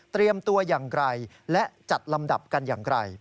เตรียมตัวยังไกลและจัดลำดับกันอย่างไกล